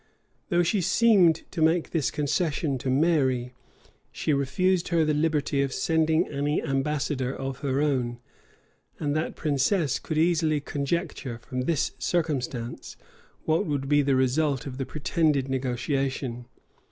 Though she seemed to make this concession to Mary she refused her the liberty of sending any ambassador of her own; and that princess could easily conjecture, from this circumstance, what would be the result of the pretended negotiation.